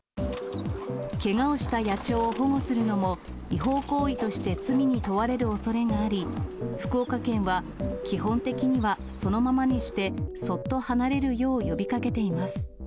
けがをした野鳥を保護するのも違法行為として罪に問われるおそれがあり、福岡県は基本的にはそのままにして、そっと離れるよう呼びかけています。